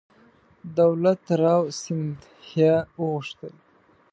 دولت راو سیندهیا وغوښتل.